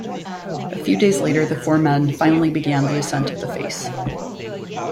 A few days later the four men finally began the ascent of the face.